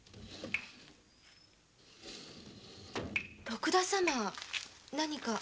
徳田様何か？